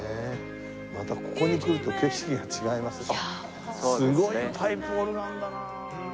またここに来ると景色が違いますよ。